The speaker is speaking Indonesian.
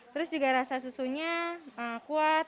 terus juga rasa susunya kuat